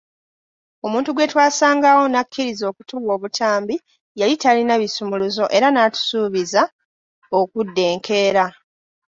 Omuntu gwe twasangawo n'akkiriza okutuwa obutambi yali talina bisumuluzo era n'atusuubizza okudda enkeera.